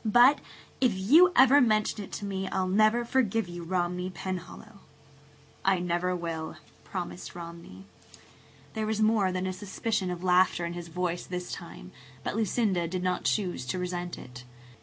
But if you ever mention it to me I'll never forgive you, Romney Penhallow!" "I never will," Romney promised. There was more than a suspicion of laughter in his voice this time, but Lucinda did not choose to resent it.